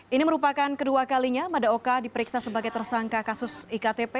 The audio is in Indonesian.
ini merupakan kedua kalinya madaoka diperiksa sebagai tersangka kasus iktp